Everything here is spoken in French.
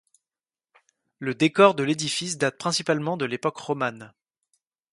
Le décor de l'édifice date principalement de l'époque romane.